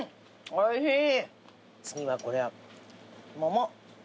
おいしい！